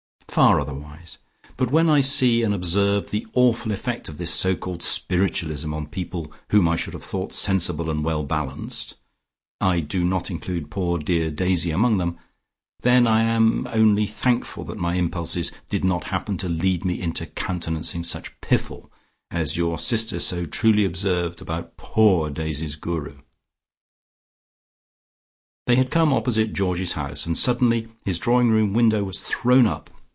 Far otherwise. But when I see and observe the awful effect of this so called spiritualism on people whom I should have thought sensible and well balanced I do not include poor dear Daisy among them then I am only thankful that my impulses did not happen to lead me into countenancing such piffle, as your sister so truly observed about POOR Daisy's Guru." They had come opposite Georgie's house, and suddenly his drawing room window was thrown up.